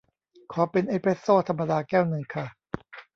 ขอเป็นเอสเพรสโซธรรมดาแก้วนึงค่ะ